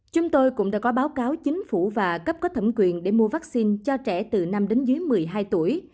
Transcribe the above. chúng tôi cũng đã có báo cáo chính phủ và cấp có thẩm quyền để mua vaccine cho trẻ từ năm đến dưới một mươi hai tuổi